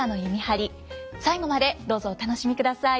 最後までどうぞお楽しみください。